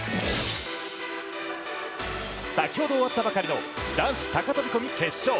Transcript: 先ほど終わったばかりの男子高飛び込み決勝。